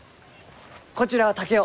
こちらは竹雄。